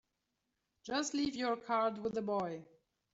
Just leave your card with the boy.